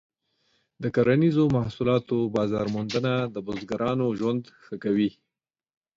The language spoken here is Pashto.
د کرنیزو محصولاتو بازار موندنه د بزګرانو ژوند ښه کوي.